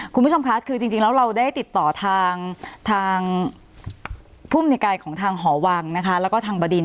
คุณผู้ชมค่ะคือจริงแล้วเราได้ติดต่อทางภูมิในการของทางหอวังนะคะแล้วก็ทางบดิน